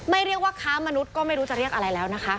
เรียกว่าค้ามนุษย์ก็ไม่รู้จะเรียกอะไรแล้วนะคะ